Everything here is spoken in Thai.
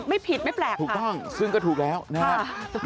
ไม่ผิดไม่แปลกถูกต้องซึ่งก็ถูกแล้วนะครับ